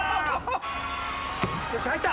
よし入った！